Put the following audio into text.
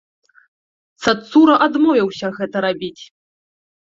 Цацура адмовіўся гэта рабіць.